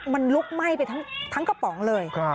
มันลุกไหม้ไปทั้งกระป๋องเลย